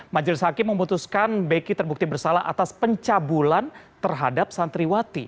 majelis hakim memutuskan beki terbukti bersalah atas pencabulan terhadap santriwati